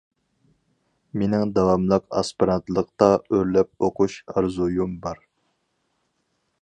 مېنىڭ داۋاملىق ئاسپىرانتلىقتا ئۆرلەپ ئوقۇش ئارزۇيۇم بار.